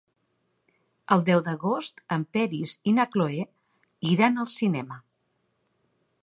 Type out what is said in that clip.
El deu d'agost en Peris i na Cloè iran al cinema.